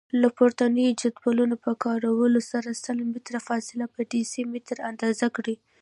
له پورتنیو جدولونو په کارولو سره سل متره فاصله په ډیسي متره اندازه کړئ.